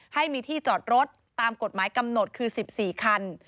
ให้มีที่จอดรถตามกฎหมายกำหนดคือ๑๔คัน